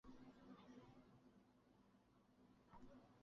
毛鼻水獭栖息在内陆溪流的沼泽森林或沿海地区。